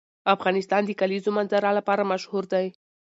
افغانستان د د کلیزو منظره لپاره مشهور دی.